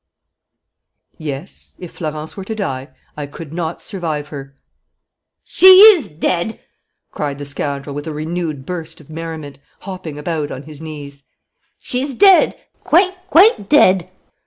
"Yes. If Florence were to die, I could not survive her!" "She is dead!" cried the scoundrel, with a renewed burst of merriment, hopping about on his knees. "She's dead, quite, quite dead!